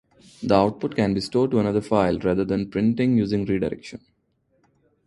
The output can be stored to another file rather than printing using redirection.